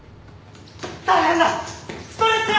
大変だ！